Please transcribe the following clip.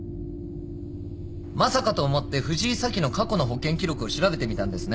まさかと思って藤井早紀の過去の保険記録を調べてみたんですね。